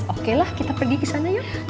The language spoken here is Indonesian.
oke lah kita pergi ke sana ya